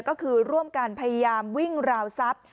ก็คือร่วมกันพยายามวิ่งราวทรัพย์